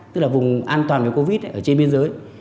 tức là vùng an toàn về covid ở trên biên giới